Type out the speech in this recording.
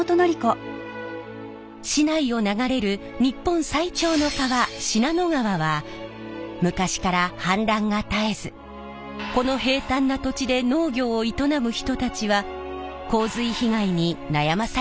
市内を流れる日本最長の川信濃川は昔から氾濫が絶えずこの平たんな土地で農業を営む人たちは洪水被害に悩まされてきました。